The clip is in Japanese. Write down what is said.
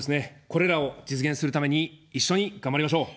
これらを実現するために一緒に頑張りましょう。